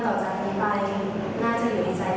แต่ใจของแม่ไม่เคยจะอ้มดูนัย